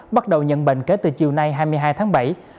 bắt đầu nhận bệnh kể từ chiều nay hai mươi hai tháng bảy